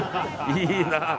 いいなあ。